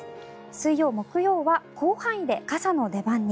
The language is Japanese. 水曜、木曜は広範囲で傘の出番に。